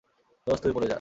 দোস্ত, তুই উপরে যা।